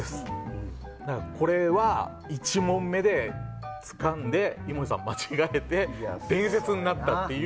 これは、１問目でつかんで井森さんは間違えて伝説になったという。